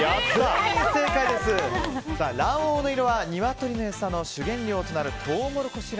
卵黄の色はニワトリの餌の主原料となるトウモロコシ